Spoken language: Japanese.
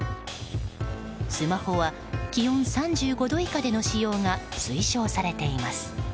スマホは気温３５度以下での使用が推奨されています。